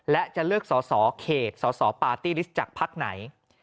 และจะเลือกสอสอเขตสสปาร์ตี้ลิสต์จากพักไหน